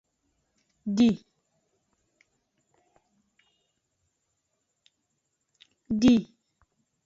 Di.